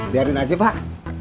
biarin aja pak